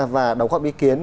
và đóng góp ý kiến